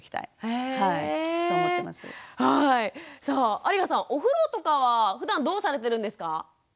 さあ有我さんお風呂とかはふだんどうされてるんですか？